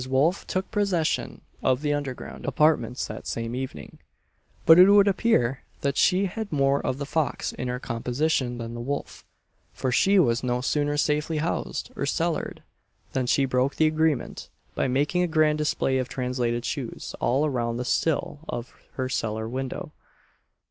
Wolf took possession of the under ground apartments that same evening; but it would appear that she had more of the fox in her composition than the wolf, for she was no sooner safely housed, or cellar'd, than she broke the agreement, by making a grand display of translated shoes all around the sill of her cellar window.